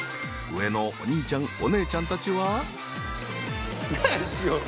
上のお兄ちゃんお姉ちゃんたちは。早くしよう。